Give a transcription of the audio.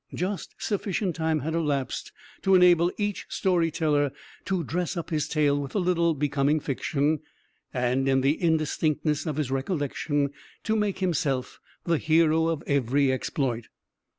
Just sufficient time had elapsed to enable each story teller to dress up his tale with a little becoming fiction, and, in the indistinctness of his recollection, to make himself the hero of every exploit.